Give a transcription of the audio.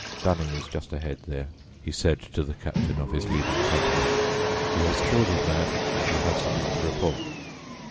"Dunning is just ahead there," he said to the captain of his leading company. "He has killed his man and will have something to report."